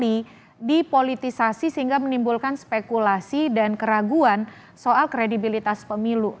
ini dipolitisasi sehingga menimbulkan spekulasi dan keraguan soal kredibilitas pemilu